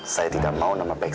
saya protes pak